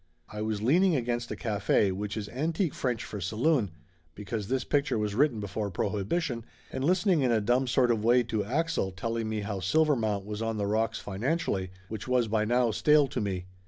I was leaning against a cafe which is an tique French for saloon, because this picture was writ ten before prohibition, and listening in a dumb sort of way to Axel telling me how Silvermount was on the rocks financially, which was by now stale to me.